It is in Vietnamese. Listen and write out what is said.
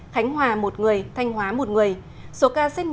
khánh hòa một người thanh hóa một người